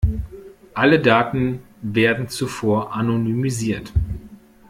Alle Daten werden zuvor anonymisiert.